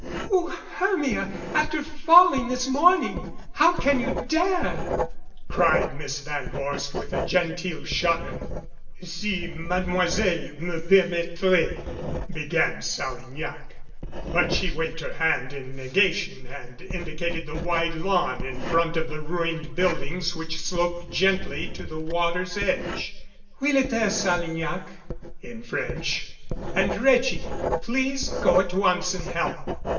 "O Hermia, after falling this morning ! How can you dare?" cried Miss Van Vorst, with a genteel shudder. "Si Mademoiselle me permettrait " began Salig nac. But she waved her hand in negation and indicated the 53 MADCAP wide lawn in front of the ruined buildings which sloped gently to the water's edge. "Wheel it there, Salignac," in French, "and, Reggie, please go at once and help."